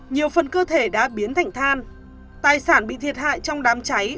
nhiều phần cơ thể đã biến thành than tài sản bị thiệt hại trong đám cháy